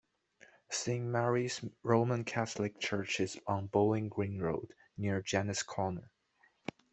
Saint Mary's Roman Catholic Church is on Bowling Green Road, near Janet's Corner.